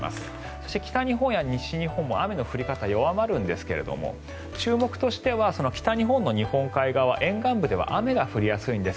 そして北日本や西日本も雨の降り方、弱まるんですが注目としては北日本の日本海側沿岸部では雨が降りやすいんです。